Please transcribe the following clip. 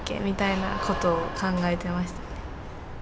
みたいなことを考えてましたね。